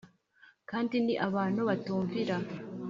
kandi ni abantu batumvira